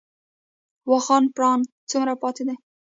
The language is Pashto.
واخان پړانګ څومره پاتې دي؟